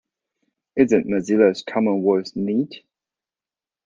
Isn't Mozilla's Common Voice neat?